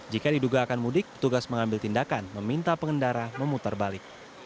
jika diduga akan mudik petugas mengambil tindakan meminta pengendara memutar balik